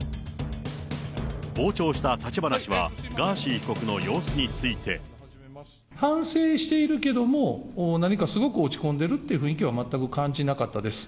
傍聴した立花氏は、ガーシー被告の様子について。反省しているけども、何かすごく落ち込んでるって雰囲気は全く感じなかったです。